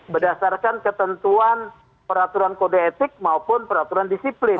berdasarkan ketentuan peraturan kode etik maupun peraturan disiplin